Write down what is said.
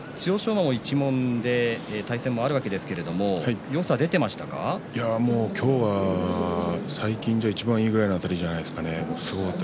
馬も一門で対戦があるんですが今日は最近ではいちばんいいあたりだったんじゃないですか。